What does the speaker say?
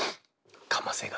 かませ紙？